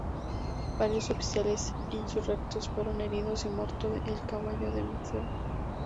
Varios oficiales insurrectos fueron heridos y muerto el caballo de Maceo.